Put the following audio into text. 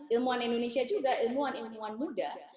ilmuwan indonesia juga ilmuwan ilmuwan muda